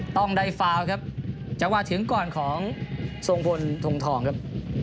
ต้องได้ฟาวครับจังหวะถึงก่อนของทรงพลทงทองครับ